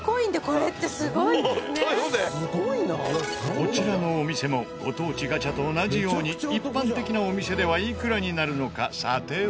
こちらのお店もご当地ガチャと同じように一般的なお店ではいくらになるのか査定を依頼。